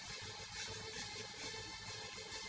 mau jadi kayak gini sih salah buat apa